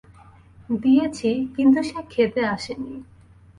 দিয়েছি কিন্তু সে খেতে আসেনি।